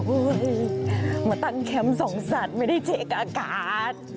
มาตั้งแคมป์สองสัตว์ไม่ได้เช็คอากาศ